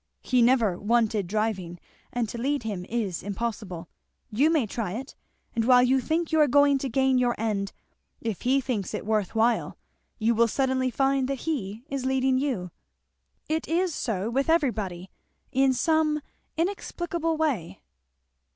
"He never wanted driving, and to lead him is impossible. You may try it, and while you think you are going to gain your end, if he thinks it worth while, you will suddenly find that he is leading you. It is so with everybody in some inexplicable way."